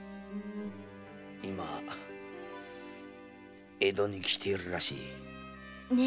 今江戸に来てるらしい。ね